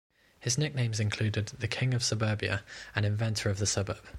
His nicknames included "The King of Suburbia" and "Inventor of the Suburb.